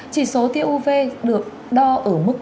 chỉ số tiêu uv được đo ở mức